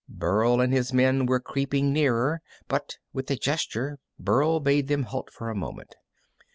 ] Burl and his men were creeping nearer, but with a gesture Burl bade them halt for a moment.